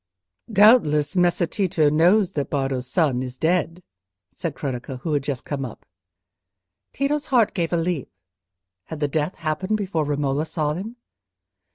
"Doubtless Messer Tito knows that Bardo's son is dead," said Cronaca, who had just come up. Tito's heart gave a leap—had the death happened before Romola saw him?